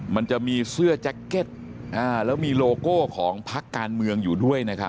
มันจะมีเสื้อแจ็คเก็ตแล้วมีโลโก้ของพักการเมืองอยู่ด้วยนะครับ